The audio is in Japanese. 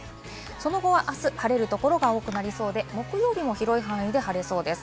その後はあす晴れるところが多くなりそうで、木曜日も広い範囲で晴れそうです。